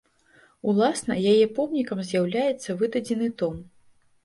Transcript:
Уласна, яе помнікам з'яўляецца выдадзены том.